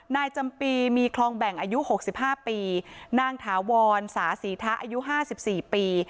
นายจำปีมีคลองแบ่งอายุหกสิบห้าปีนางถาวรสาธิษฐะอายุห้าสิบสี่ปี